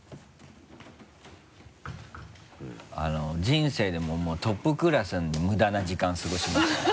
人生でももうトップクラスの無駄な時間過ごしましたね。